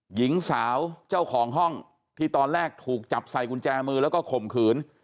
หญิงสาวเจ้าของห้องที่ตอนแรกถูกจับใส่กุญแจมือแล้วก็ข่มขืน